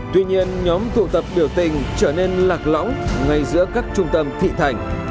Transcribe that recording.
tuy nhiên nhóm tụ tập biểu tình trở nên lạc lõng ngay giữa các trung tâm thị thành